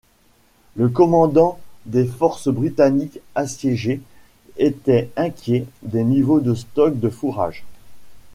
Le commandant des forces britanniques assiégées était inquiet des niveaux de stock de fourrage.